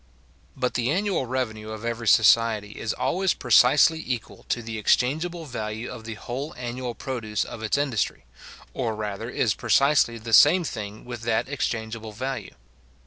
But the annual revenue of every society is always precisely equal to the exchangeable value of the whole annual produce of its industry, or rather is precisely the same thing with that exchangeable value.